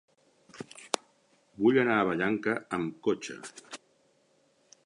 Vull anar a Vallanca amb cotxe.